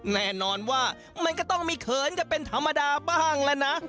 แน่นอนว่ามันก็ต้องมีเขินกันเป็นธรรมดาบ้างแล้วนะ